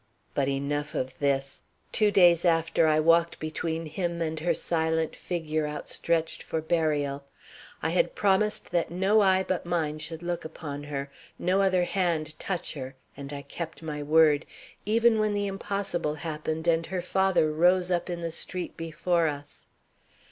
"But enough of this. Two days after, I walked between him and her silent figure outstretched for burial. I had promised that no eye but mine should look upon her, no other hand touch her, and I kept my word, even when the impossible happened and her father rose up in the street before us.